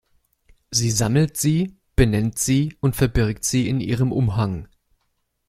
Sie sammelt sie, benennt sie und verbirgt sie in ihrem Umhang.